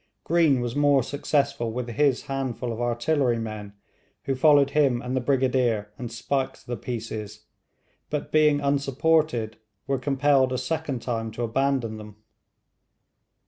Green was more successful with his handful of artillerymen, who followed him and the Brigadier and spiked the pieces, but being unsupported were compelled a second time to abandon them.